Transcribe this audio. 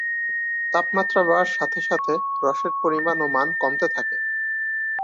তাপমাত্রা বাড়ার সাথে সাথে রসের পরিমাণ ও মান কমতে থাকে।